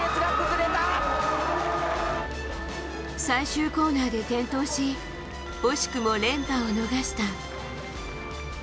最終コーナーで転倒し惜しくも連覇を逃した。